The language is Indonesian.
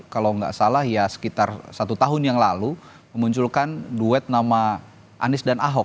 kalau nggak salah ya sekitar satu tahun yang lalu memunculkan duet nama anies dan ahok